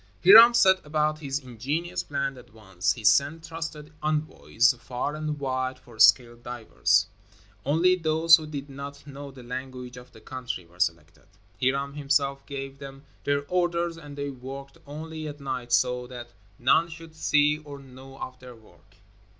Hiram set about his ingenious plan at once. He sent trusted envoys far and wide for skilled divers. Only those who did not know the language of the country were selected. Hiram himself gave them their orders and they worked only at night, so that none should see or know of their work.